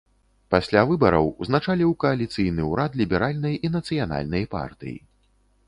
Пасля выбараў узначаліў кааліцыйны ўрад ліберальнай і нацыянальнай партый.